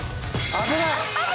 危ない！